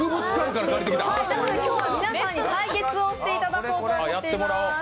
なので今日は皆さんに対決をしていただこうと思っています。